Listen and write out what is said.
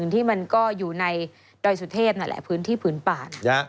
อย่างที่มันก็อยู่ในดอยสุเทพฯพื้นที่ผืนป่า